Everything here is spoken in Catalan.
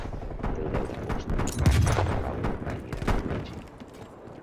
El deu d'agost en Marc i na Laura aniran al metge.